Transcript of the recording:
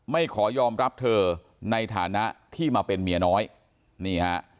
ไม่ขอยอมรับเธอในฐานะที่มาเป็นเมียน้อยนี่ฮะ